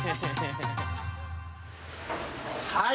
はい。